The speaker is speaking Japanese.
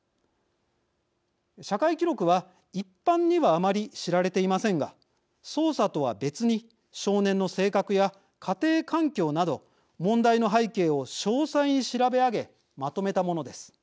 社会記録は一般にはあまり知られていませんが捜査とは別に、少年の性格や家庭環境など問題の背景を詳細に調べ上げまとめたものです。